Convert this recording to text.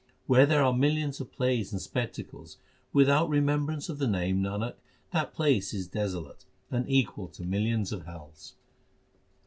Where there are millions of plays and spectacles, without remembrance of the Name, Nanak, that place is desolate, and equal to millions of hells.